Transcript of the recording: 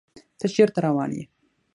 ته چیرته روان یې؟